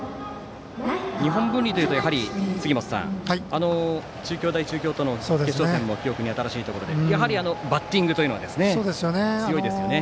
日本文理というと杉本さんあの中京大中京との決勝戦も記憶に新しいところで、やはりバッティングが強いですよね。